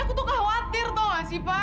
aku tuh khawatir tau gak sih pa